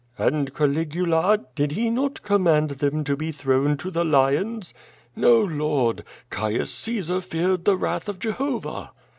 "And Caligula, did he not command them to be thrown to the lions?" "No, Lord; Caius Caesar feared the wrath of Jehovah."